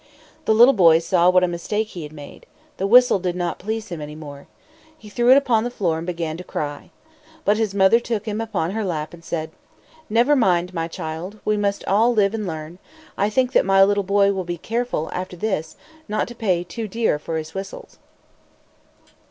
The little boy saw what a mistake he had made. The whistle did not please him any more. He threw it upon the floor, and began to cry. But his mother took him upon her lap and said: "Never mind, my child. We must all live and learn; and I think that my little boy will be careful, after this, not to pay too dear for his whistles."